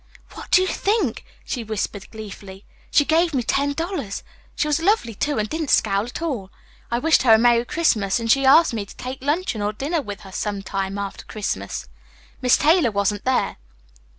"What do you think!" she whispered, gleefully. "She gave me ten dollars! She was lovely, too, and didn't scowl at all. I wished her a Merry Christmas, and she asked me to take luncheon or dinner with her some time after Christmas. Miss Taylor wasn't there."